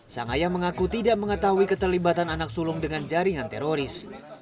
sang ayah mengaku tidak mengetahui keterlibatan anak sulung dengan jaringan teroris